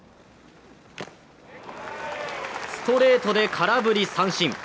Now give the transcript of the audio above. ストレートで空振り三振。